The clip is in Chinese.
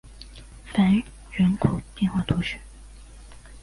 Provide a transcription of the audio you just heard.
凡人口变化图示